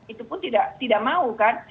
itu pun tidak mau kan